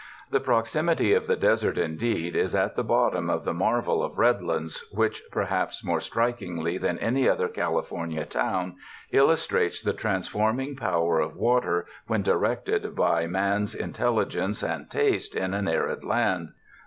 The proximity of the desert, indeed, is at the bottom of the marvel of Redlands which, perhaps more strikingly than any other California town, illustrates the transforming power of water when directed by man's intelli gence and taste in an arid land.